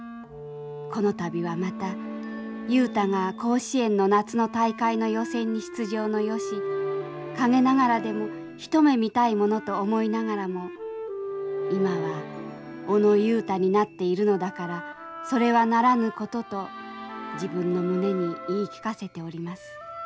この度はまた雄太が甲子園の夏の大会の予選に出場の由陰ながらでも一目見たいものと思いながらも今は小野雄太になっているのだからそれはならぬことと自分の胸に言い聞かせております」。